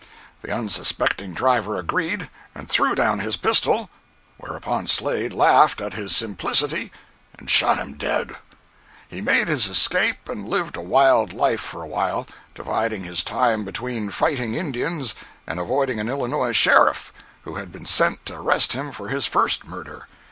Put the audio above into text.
The unsuspecting driver agreed, and threw down his pistol—whereupon Slade laughed at his simplicity, and shot him dead! He made his escape, and lived a wild life for awhile, dividing his time between fighting Indians and avoiding an Illinois sheriff, who had been sent to arrest him for his first murder.